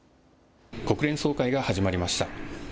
国連総会が始まりました。